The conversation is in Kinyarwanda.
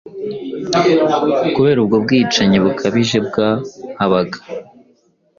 Kubera ubwo bwicanyi bukabije bwahabaga